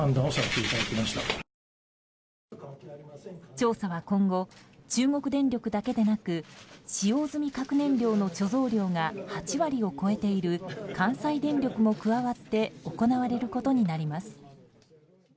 調査は今後中国電力だけでなく使用済み核燃料の貯蔵量が８割を超えている関西電力も加わって行われることになります。